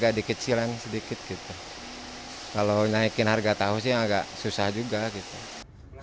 sebagian pedagang lain ada juga yang mengatakan bahwa kalau kita naikin harga tahu kita bisa mencapai harga tahu